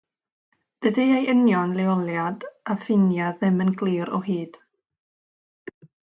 Dydy ei union leoliad a'i ffiniau ddim yn glir o hyd.